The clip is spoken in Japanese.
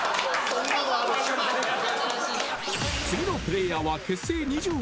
［次のプレーヤーは］